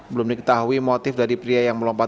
belum diketahui motif dari pria yang melompat